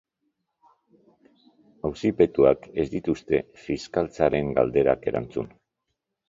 Auzipetuek ez dituzte fiskaltzaren galderak erantzun.